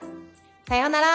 さようなら。